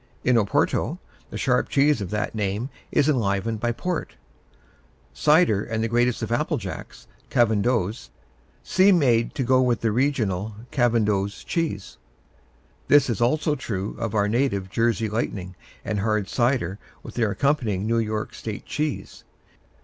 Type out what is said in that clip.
In Oporto the sharp cheese of that name is enlivened by port, Cider and the greatest of applejacks, Calvados, seem made to go the regional Calvados cheese. This is also true of our native Jersey Lightning and hard cider with their accompanying New York State cheese.